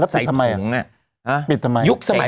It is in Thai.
สุหลาบ